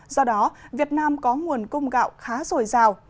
do đó việt nam có nguồn cung gạo khá rồi rào